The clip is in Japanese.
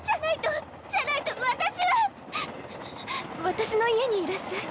私の家にいらっしゃい。